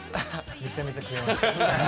めちゃめちゃ食えました。